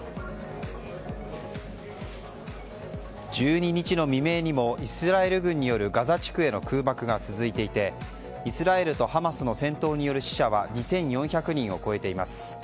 １２日の未明にもイスラエル軍によるガザ地区への空爆が続いていてイスラエルとハマスの戦闘による死者は２４００人を超えています。